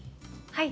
はい！